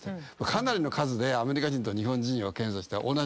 かなりの数でアメリカ人と日本人を検査したら同じだった。